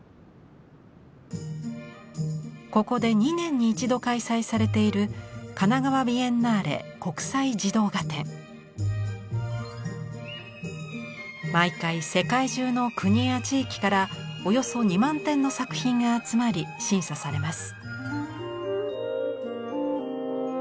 ここで２年に一度開催されている毎回世界中の国や地域からおよそ２万点の作品が集まり審査されます。